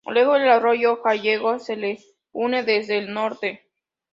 Luego, el arroyo Gallegos se le une desde el norte.